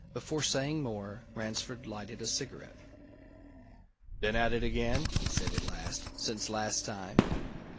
Before saying more, Ransford lighted a cigarette. "Been at it again?" he said at last. "Since last time?"